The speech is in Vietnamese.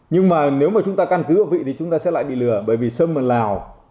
nhưng mà nếu mà chúng ta căn cứ vào vị thì chúng ta sẽ lại bị lừa bởi vì sâm ở lào